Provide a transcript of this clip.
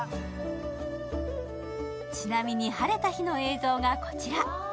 ちなみに晴れた日の映像がこちら。